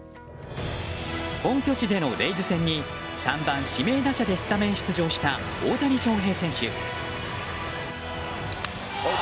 本拠地でのレイズ戦に３番・指名打者でスタメン出場した大谷翔平選手。